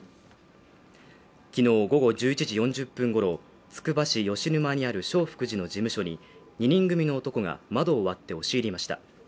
きのう午後１１時４０分ごろ、つくば市吉沼にある正福寺の事務所に２人組の男が窓を割って押し入りました。